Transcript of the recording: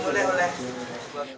mas dika boleh boleh